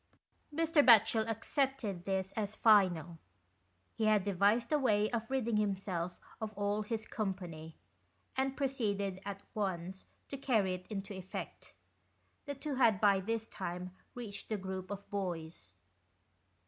Mr. Batchel accepted this as final. He had devised a way of ridding himself of all his company, and proceeded at once to carry it into effect. The two had by this time reached the group of boys.